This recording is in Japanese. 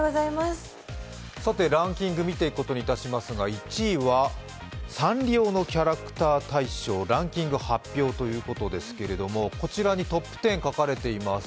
さて、ランキング見ていくことにしますが、１位はサンリオのキャラクター大賞、ランキング発表ということですけれども、こちらにトップ１０書かれています。